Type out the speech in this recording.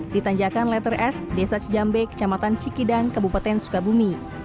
ditanjakan letter s desa sejambe kecamatan cikidang kabupaten sukabumi